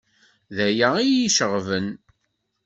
D aya iyi-iceɣben.